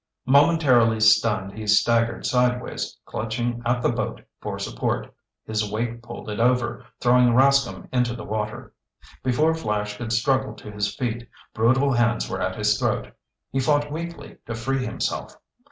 Momentarily stunned, he staggered sideways, clutching at the boat for support. His weight pulled it over, throwing Rascomb into the water. Before Flash could struggle to his feet, brutal hands were at his throat. He fought weakly to free himself.